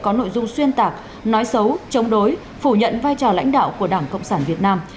có nội dung xuyên tạc nói xấu chống đối phủ nhận vai trò lãnh đạo của đảng cộng sản việt nam